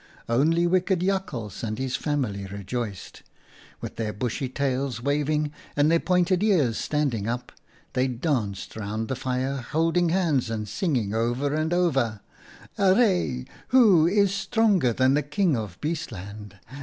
" Only wicked Jakhals and his family rejoiced. With their bushy tails waving and their pointed ears standing up, they danced round the fire, holding hands and singing over and over :"' Arre ! who is stronger than the King of Beastland